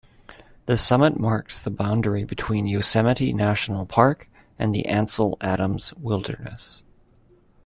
The summit marks the boundary between Yosemite National Park and the Ansel Adams Wilderness.